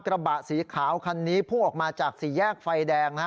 กระบะสีขาวคันนี้พุ่งออกมาจากสี่แยกไฟแดง